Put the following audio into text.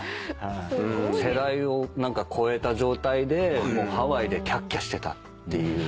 世代を超えた状態でハワイでキャッキャッしてたっていう。